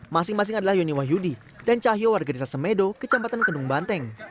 masing masing adalah yoni wahyudi dan cahyo warga desa semedo kecamatan kendung banteng